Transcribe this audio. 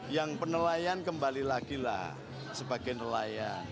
yang penelayan kembali lagi lah sebagai nelayan